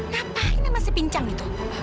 ngapain masih pincang gitu